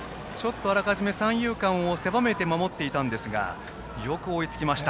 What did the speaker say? あらかじめ三遊間を狭めて守っていましたがよく追いつきました。